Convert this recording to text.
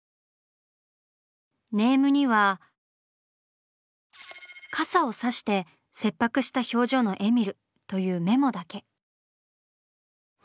ネームには「傘をさして切迫した表情のえみる」というメモだけ。